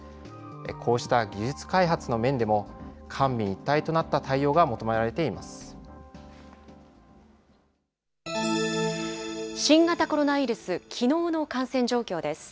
こうした技術開発の面でも官民一体となった取り組みが求められて新型コロナウイルス、きのうの感染状況です。